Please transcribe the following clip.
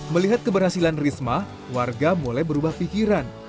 melihat keberhasilan risma warga mulai berubah pikiran